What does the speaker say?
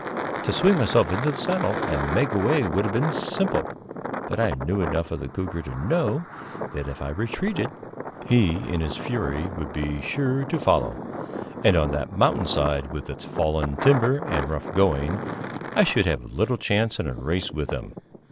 To swing myself into the saddle and make away would have been simple, but I knew enough of the cougar to know that if I retreated, he, in his fury, would be sure to follow; and on that mountain side, with its fallen timber and rough going, I should have little chance in a race with him.